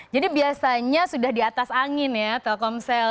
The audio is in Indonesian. jadi biasanya sudah di atas angin ya telkomsel